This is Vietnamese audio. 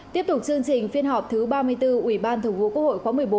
tiếp tục chương trình phiên họp thứ ba mươi bốn ủy ban thường vụ quốc hội khóa một mươi bốn